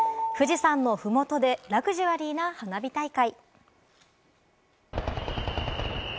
富士山の麓でラグジュアリーな花火大会。